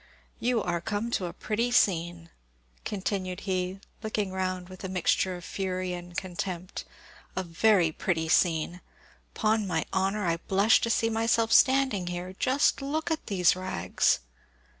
You are come to a pretty scene," continued he, looking round with a mixture of fury and contempt, "a very pretty scene! 'Pon my honour, I blush to see myself standing here! Just look at these rags!"